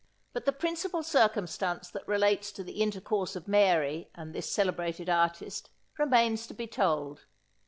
But the principal circumstance that relates to the intercourse of Mary, and this celebrated artist, remains to be told.